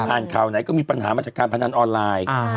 อ่านข่าวไหนก็มีปัญหามาจากการพนันออนไลน์